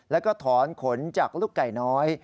แล้วก็ถอนขนจากลูกไก่น้อย